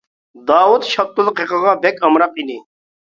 داۋۇت شاپتۇل قېقىغا بەك ئامراق ئىدى.